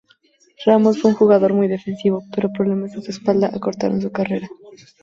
Ramos fue un jugador muy defensivo, pero problemas en su espalda acortaron su carrera.